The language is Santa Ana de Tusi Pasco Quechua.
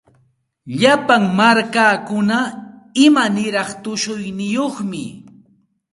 Llapa markakuna imaniraq tushuyniyuqmi.